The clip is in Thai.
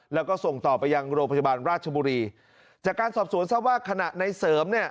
แล้วก็ส่งต่อไปยังโรงพยาบาลราชบุรีจากการสอบสวนทราบว่าขณะในเสริมเนี่ย